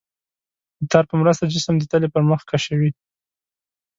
د تار په مرسته جسم د تلې پر مخ کشوي.